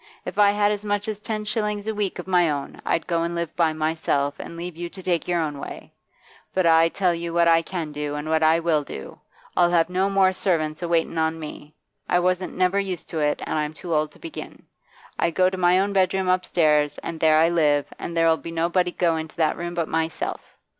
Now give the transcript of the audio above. If I had as much as ten shillings a week of my own, I'd go and live by myself, and leave you to take your own way. But I tell you what I can do, and what I will. I'll have no more servants a waitin' on me; I wasn't never used to it, and I'm too old to begin. I go to my own bedroom upstairs, and there I live, and there 'll be nobody go into that room but myself.